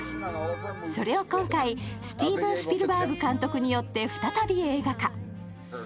それを今回、スティーブン・スピルバーグ監督によって再び映画化。